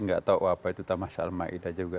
nggak tahu apa itu tamasya al maida juga